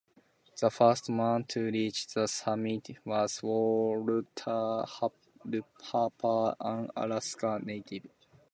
The first man to reach the summit was Walter Harper, an Alaska Native.